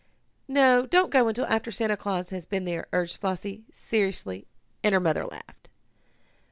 "No, don't go until after Santa Claus has been here," urged Flossie seriously, and her mother laughed.